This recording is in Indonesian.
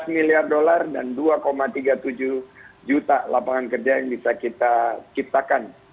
lima belas miliar dolar dan dua tiga puluh tujuh juta lapangan kerja yang bisa kita ciptakan